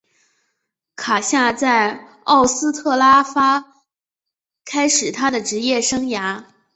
卡夏在俄斯特拉发开始他的职业生涯。